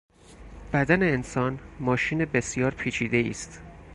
بدن انسان ماشین بسیار پیچیدهای است.